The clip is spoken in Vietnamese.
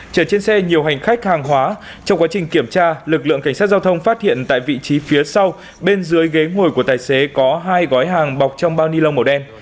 trong quá trình kiểm tra lực lượng cảnh sát giao thông phát hiện tại vị trí phía sau bên dưới ghế ngồi của tài xế có hai gói hàng bọc trong bao ni lông màu đen